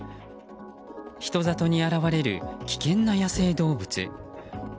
人里に現れる危険な野生動物。